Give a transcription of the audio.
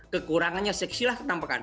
kekurangannya siksilah menampakkan